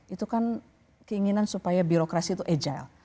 itu kan keinginan supaya birokrasi itu agile